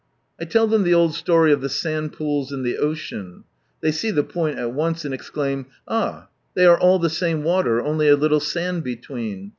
I tell them the old siory of the sand pools and the ocean. They see the point at once, and exclaim, "Ah, they are ail the same water, only a little sand between!"